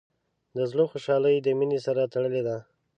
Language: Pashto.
د زړۀ خوشحالي د مینې سره تړلې ده.